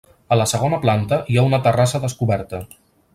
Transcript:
A la segona planta hi ha una terrassa descoberta.